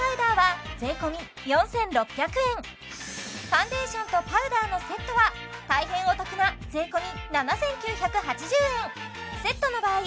ファンデーションとパウダーのセットは大変お得な税込７９８０円セットの場合